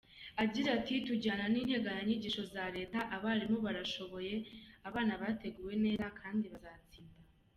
Agira ati “Tujyana n’integanyanyigisho za Leta, abarimu barashoboye, abana bateguwe neza kandi bazatsinda.